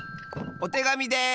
おてがみです！